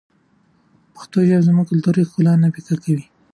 پښتو ژبه زموږ کلتوري ښکلا نه پیکه کوي.